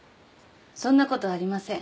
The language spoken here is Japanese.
そんなことありません。